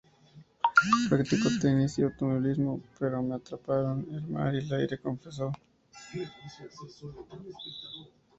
Practicó tenis y automovilismo, pero ""me atraparon el mar y el aire"", confesó.